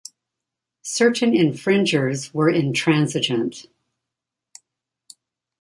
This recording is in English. Certain infringers were intransigent.